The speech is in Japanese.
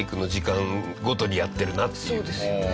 そうですよね。